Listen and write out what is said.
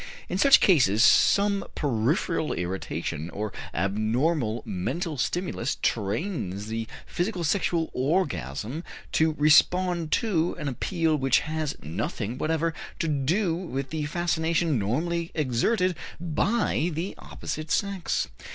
In such cases some peripheral irritation or abnormal mental stimulus trains the physical sexual orgasm to respond to an appeal which has nothing whatever to do with the fascination normally exerted by the opposite sex.